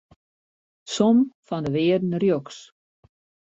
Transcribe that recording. Som fan de wearden rjochts.